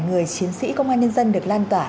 người chiến sĩ công an nhân dân được lan tỏa